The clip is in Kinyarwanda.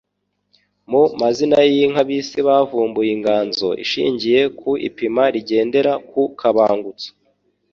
Mu mazina y'inka abisi bavumbuye inganzo ishingiye ku ipima rigendera ku kabangutso.